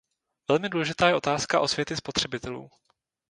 Velmi důležitá je otázka osvěty spotřebitelů.